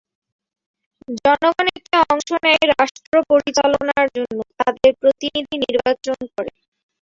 জনগণ এতে অংশ নেয় রাষ্ট্র পরিচালনার জন্য তাদের প্রতিনিধি নির্বাচন করে।